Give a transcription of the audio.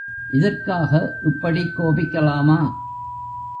இதற்காக இப்படிக் கோபிக்கலாமா?